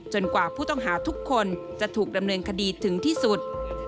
กว่าผู้ต้องหาทุกคนจะถูกดำเนินคดีถึงที่สุด